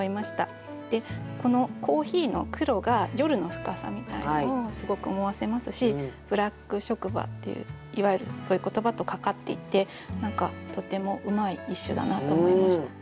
でこの珈琲の黒が夜の深さみたいなのをすごく思わせますしブラック職場っていういわゆるそういう言葉と掛かっていて何かとてもうまい一首だなと思いました。